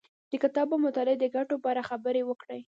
د کتاب او مطالعې د ګټو په اړه خبرې وکړې.